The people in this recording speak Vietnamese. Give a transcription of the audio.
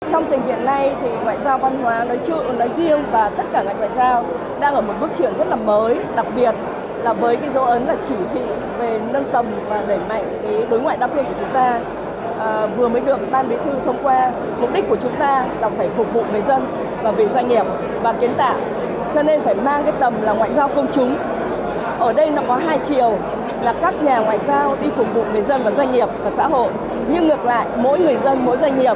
các nhà ngoại giao đi phục vụ người dân và doanh nghiệp và xã hội nhưng ngược lại mỗi người dân mỗi doanh nghiệp và địa phương lại là các nhà ngoại giao